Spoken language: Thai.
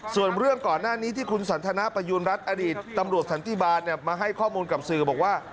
ส่วนเรื่องก่อนหน้านี้ที่คุณสันทนาประยูณรัฐอดีตตำรวจสันติบาลมาให้ข้อมูลกับสื่อบอกว่า